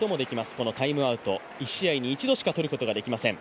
このタイムアウト１試合に一度しか取ることができません。